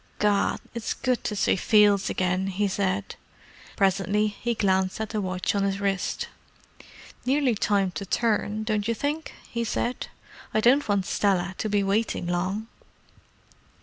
"Gad, it's good to see fields again!" he said. Presently he glanced at the watch on his wrist. "Nearly time to turn, don't you think?" he said. "I don't want Stella to be waiting long."